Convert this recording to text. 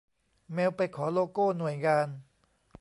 เมลไปขอโลโก้หน่วยงาน